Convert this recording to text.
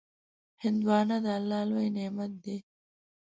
هندوانه د الله لوی نعمت دی.